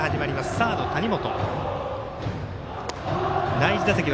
サード、谷本。